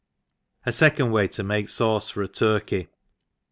Afecondway to make SAVCzJor a Turkey.